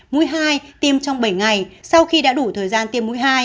mũi hai tiêm trong bảy ngày sau khi đã đủ thời gian tiêm mũi hai